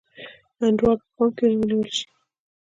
انډول په پام کې ونیول شي.